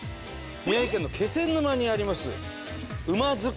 宮城県の気仙沼にあります。